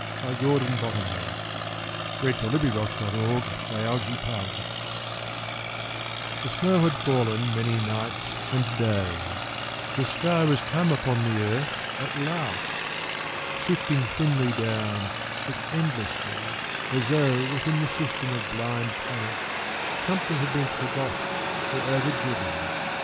GORDON BOTTOMLEY THE END OF THE WORLD The snow had fallen many nights and days; The sky was come upon the earth at last, Sifting thinly down as endlessly As though within the system of blind planets Something had been forgot or overdriven.